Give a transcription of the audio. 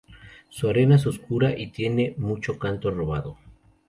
Su arena es oscura y tiene mucho canto rodado.